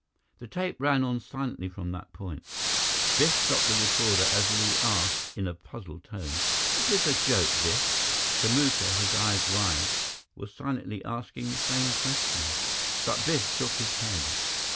The tape ran on silently from that point. Biff stopped the recorder as Li asked, in a puzzled tone, "Is this a joke, Biff?" Kamuka, his eyes wide, was silently asking the same question, but Biff shook his head.